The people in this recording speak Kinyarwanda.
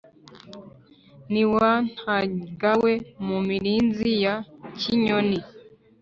n’iwa ntagawe mu mirinzi ya kinyoni,